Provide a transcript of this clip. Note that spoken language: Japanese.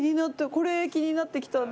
これ気になって来たんです。